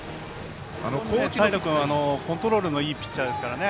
平君、コントロールのいいピッチャーですからね。